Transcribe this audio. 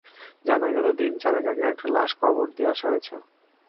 জানা গেল, দিন চারেক আগে একটা লাশ কবর দিয়ে আসা হয়েছে।